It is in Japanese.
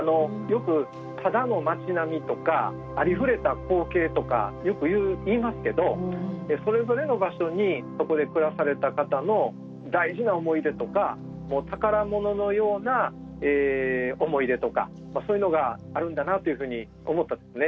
ただの町並みとかありふれた光景とかよく言いますけどそれぞれの場所にそこで暮らされた方の大事な思い出とか宝物のような思い出とかそういうのがあるんだなというふうに思ったんですね。